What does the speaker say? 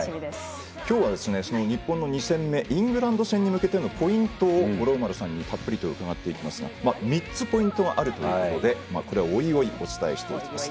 今日はその日本の２戦目イングランド戦に向けてのポイントを五郎丸さんにたっぷりと伺っていきますが３つポイントがあるということでこれはおいおいお伝えしていきます。